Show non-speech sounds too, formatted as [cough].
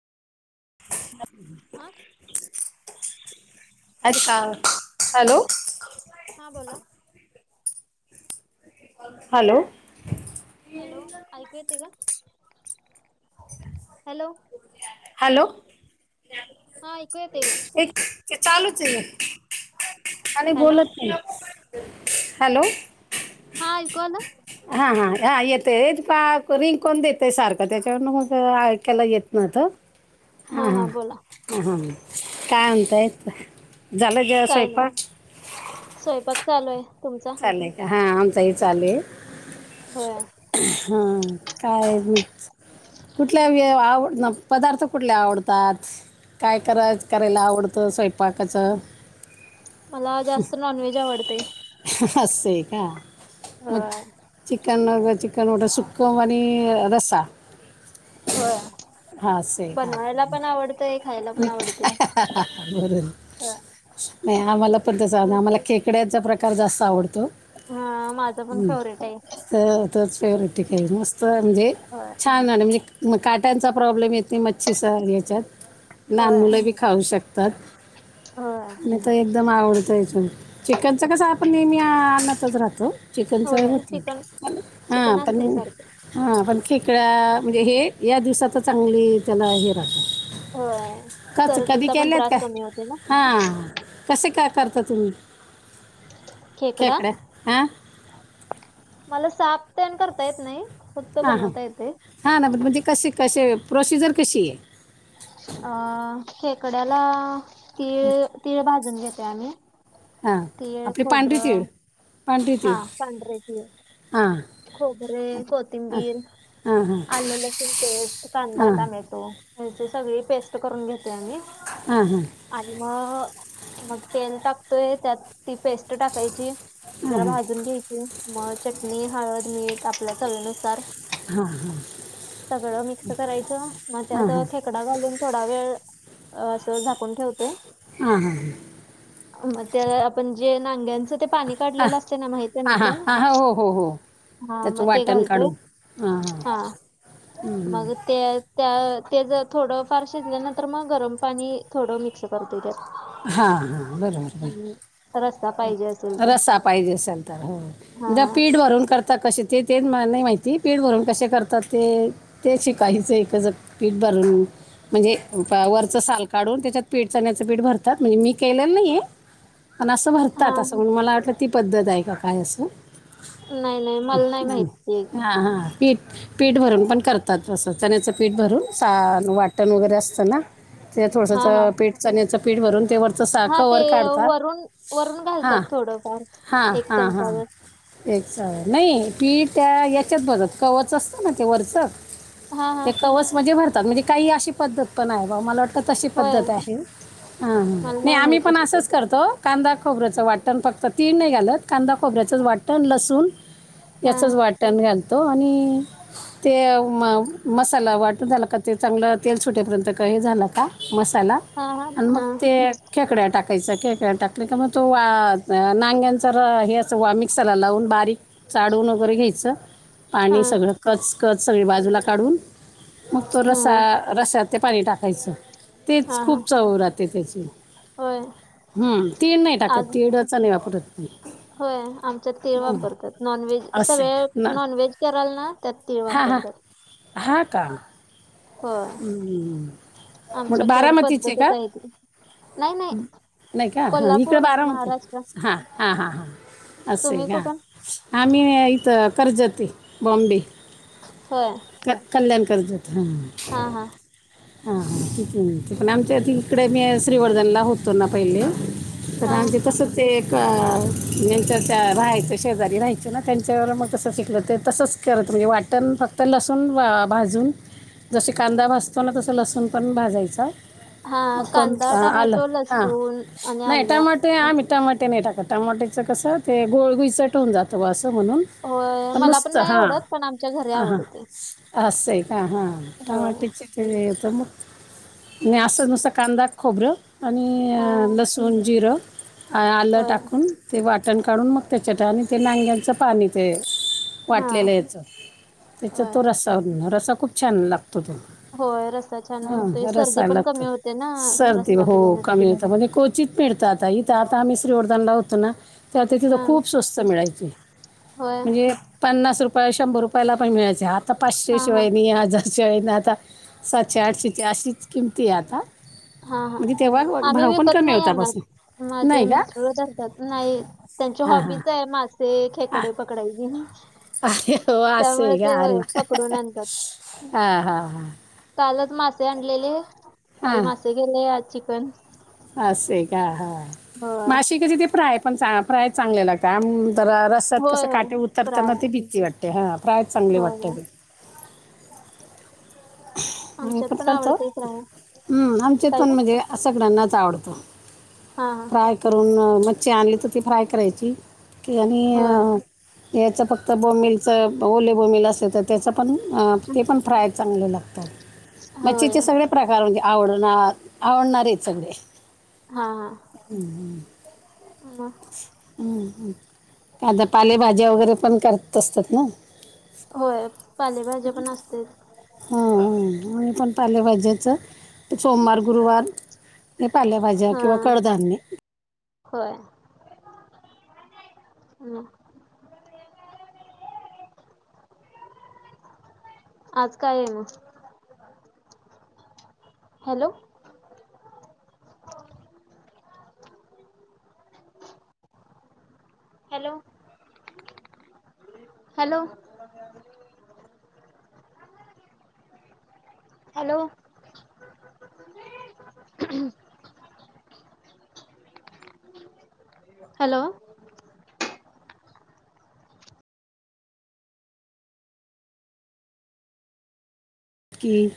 हा [inaudible] का हॅलो. हा बोला. हॅलो. हॅलो ऐकू येतेय का? हॅलो हॅलो हा ऐकू येतेय का? एक चालूचे हे. आणि हॅलो बोलत नाही. हॅलो. हा आयकू आल? हा हा हा येतय. का रिंग कोण देते सारखं. त्याच्यामुळे ऐकायला येत नाही. म आता? हा हा. ह हां. काय म्हणताय? झालं जे काय नाही स्वयंपाक? स्वयंपाक चालूये. तुमचा? नाही का, हा आमचा ही चालूये. होय. हा काय मीच कुठल्या आवड पदार्थ कुठले आवडतात? काय कराय करायला आवडतं स्वयंपाकाचं? मला जास्त नॉनव्हेज आवडतय. असय का? म होय चिकन चिकन विट सुप कोम आणि रसा. होय. असे हां बनवायला पण आवडतय, खायला पण आणि आवडतेय. बरोबर. नाही आम्हाला पण त्या आम्हाला खेकड्याचा प्रकार जास्त आवडतो. हा माझं पण फेवरेटय. त तोच फेवरेट आहे ताई. मस्त म्हणजे होय छान म्हणजे छान आणि काट्यांचा प्रॉब्लेम येते मच्छीच्या याच्यात. लहान होय मुलं बी खाऊ शकतात. होय मी तर एकदम आवडतय इथुन चिकनच कस आपण नेहमी अअ आणतच राहतो. चिकनच होय होत चिकन चिकन असते सारख. हा पण खेकड्या म्हणजे हे या दिवसात चांगली, त्याला हे होय राहत. [unintelligible] कधी सर्दीचा पण केलेत त्रास का? कमी होते ना हा. कसे क करता तुम्ही? खेकडा खेकडे हा. मला साफ ते करता येत नाही. फक्त बनवता येते. हा ना म्हणजे, कसे- कसे प्रोसिजर कशी आहे? अ खेकड्याला तीळ- तीळ भाजून घेते आम्ही हा तीळ आपली पांढरी खोबरं तीळ. पांढरी हा तीळ पांढरे तिळ. हां खोबरे हां कोथिंबीर हां हां आल लसूण पेस्ट, कांदा, हां टमॅटो ह्याची सगळी पेस्ट करून घेतो आम्ही. हा हा आणि मग मग तेल टाकतोय त्यात ती पेस्ट टाकायची. हां जरा हां भाजून घ्यायची मग चटणी हळद मीठ आपल्या चवीनुसार. सगळ मिक्स करायच मग हां त्यात हां खे ककडा घालून थोडा वेळ अस झाकून ठेवतेय. हा हा हा. मग त्या आपण जे नांग्यांच ते पाणी हां काढलेल असते ना माहित आहे ना हां तुम्हाला. हां हां हो हो हो हा त्याचं मग ते वाटण घालतोय काढून हां हा हां मग ते. त्या ते जर थोड फार शिजल्यानंतर मग गरम पाणी थोड मिक्स करतोय त्या हा- हा बरोबर बरोबर. रसा पाहिजे असेल तर, रस्सा पाहिजे असेल तर, हा जर पिट पीठ भरून करतात कसे ते तेच मला नाही माहिती. पीठ भरून कसे करतात ते. ते शिकायच आहे एक च पीठ भरून म्हणजे वरच साल काढून त्याच्यात पीठ चण्याच पीठ भरतात, म्हणजे मी केलेल नाहीय. पण अस हा भरतात अस म्हणून मला वाटल ती पद्धत आहे का काय अस. नाही नाही मला नाही. माहित ते हा- हा पीठ पीठ भरून पण करतात. अस चण्याच पीठ भरून सा वाटण वगैरे असत ना. ते थोडस हा हा पीठ चण्याच पीठ भरून ते वर हा ते वरून -वरून हां घालतात थोडफार हां एक हां हां चमचावर. नाही पीठ त्या याच्यात भरता कवच असत ना ते वरच. हा हा ते कवच ममध्ये भरतात म्हणजे काही अशी पद्धत पण आहे बा मला वाटत तर तशी होय पद्धत आहे. ह हा मला नाही आम्ही माहित पण अशी असच पद्धत करतो कांदा खोबऱ्याच वाटण फक्त तीळ नाही घालत. कांदा खोबऱ्याचच वाटण लसूण हा याचच वाटण घालतो आणि ते म मसाला वाटून झाला का ते चांगल तेल सुटेपर्यंत का हे झाल का मसा त्याला हा हा आणि मग हा ते खेकड्या टाकायच खेकड्या टाकले कीमग तो वा नांग्यांचा हेच वा मिक्सरला लावून बारीक चाळून वगैरे घ्यायच हा आणि सगळ कच कच सगळी बाजूला काढून मग तो हा रसा रस्यात ते पाणी टाकायच. तेच हा हा खूप चऊ राहते त्याची. होय हम तीळ नाही टाक आज किंवा चणे वापरत. होय आमच्यात तीळ हम्म, वापरतात. नॉनव्हेज असं आहे का? सगळ्या ना नॉनव्हेज कराल ना त्यात तीळ हा हा वापरतात. हा, का. होय हम्म, म आमच्याकड बारामतीचे पद्धतच का? आहे ती नाही का, ह इकडे कोल्हापूर बारामती. महाराष्ट्र हा हां, हां, हां अस हेय तुम्ही का. कुठून आमही हाय इथ कर्जती. बॉम्बे, होय क कल्याणकर जात. हम्म हा, हा तिकड, तिकडं आमच्यात इकडे मी श्रीवर्धनला होतो ना पहिले, तर हा आमचं कसं ते एक, जच्या त्या राहायचं शेजारी राहायचे ना त्यांच्यावर मग तसं शिकलं ते तसंच करत, वाटण फक्त लसूण वा भाजून जसे कांदा भाजतो ना, तसं लसूण पण भाजायच हाय. हा म, कांदा कोणता आलं टमॅटो हा, लसूण आणि नाही आलं टमाटे आम्ही असं. टमाट नाही टाकत टमाट्यां कसं ते गोळगुईचट हुन जातं असं म्हणून, होय पण मला नुसतं नाही हा. आवडत पण आमच्या घरी हां, हां, आवडते असय का हां. होय टमाट्याचे ते येतं मग, आणि असं नुसतं कांदा खोबरं. आणि हा लसूण जिरं, आलं होय टाकून. ते वाटण काढून मग त्याच्या, ठ आणि ते नांग्यांचं पाणी ते. हा वाटलेलं याच, त्याचा होय तो रस्सावर, रस्सा खूप छान लागतो तो. होय रस्सा छान लागतोय हा सर्दी रस्सा पण कमी लागतो. होते ना सर्दी रस्सा हो पिल्यानंतर कमी होता म्हणजे कोचीत पिडत आता, इथं आता आम्ही श्रीवर्धन लाव होतो ना, ते तिथं हा खूप स्वस्त मिळायचे. होय म्हणजे, पन्नास रुपया शंभर रुपयाला पण मिळायचे. आत्ता पाचशे हा हा शिवाय मी आज शाळेतन आत्ता, सातशे,, आठशेची अशीच किमती आता. हा, हा म्हणजे तेव्हा आम्ही भाव पण विकत कमी नाही होता बस आणत. माझे नाही का मिस्टरच धरत्यात, नाही त्यांची हां हां हॉबीच हाय माझं ‌ ते हां खेकडे पकडायचे ना. अरे हो त्यामुळे ते पकडून आणत्यात. आ‌ हा. हा. कालच मासे आणलेले, काल मासे केले आज चिकन. असय का हा, होय. मासे कधी ते फ्राय पण फ्राय चांगले लागतात, आम जरा रस तस होय, होय. काटे फ्राय. उतरताना ती भीती वाटते हा, प्राय चांगली वाटते होय. ती. [unintelligible] हम्म आमच्यात पण करत. आवडते फ्राय. हम्म आमच्या काय फोन ते? मध्ये. असं सगळ्यांनाच आवडतो. हां, हां. फ्राय करून मच्छी आणली तर ती फ्राय करायची. कि होय. आणि याच फक्त बोंबिलच, ओले बोंबिल असल तर त्याच पण ते पण फ्राय चांगले लागतात. होय. मच्छीचे सगळे प्रकार म्हणजे आवडणात आवडणारेच सगळे. हम्म, हम म. ह, ह ताज्या पालेभाज्या वगैरे पण करत असतात ना. होय, पालेभाज्या पण असतेत. मी पण पालेभाज्याचं सोमवार, गुरुवार मी पालेभाज्या किंवा कडधान्य व्हयं, म. आज काय हाय म? Hello. Hello. Hello. Hello. Hello. Hello. की-